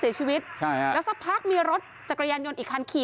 เสียชีวิตใช่ฮะแล้วสักพักมีรถจักรยานยนต์อีกคันขี่